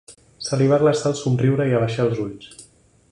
Se li va glaçar el somriure i abaixà els ulls.